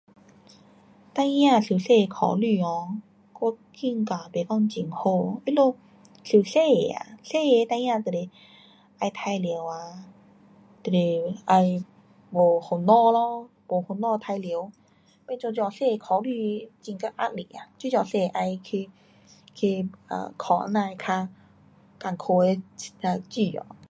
孩子是要考书，我觉得是不太好因为他们就是太小。太小孩子就是好玩，就是不烦恼了，不烦恼的玩耍。要考书，这么小就要考好难堪困苦的书。